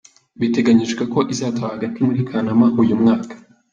Biteganyijwe ko izatahwa hagati muri Kanama uyu mwaka.